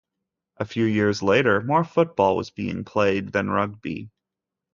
A few years later more football was being played than rugby.